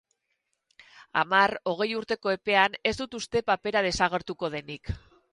Hamar, hogei urteko epean, ez dut uste papera desagertuko denik.